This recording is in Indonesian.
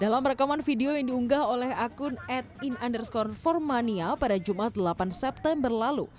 dalam rekaman video yang diunggah oleh akun atin underscore for mania pada jumat delapan september lalu